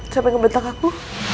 sampai ngebentak aku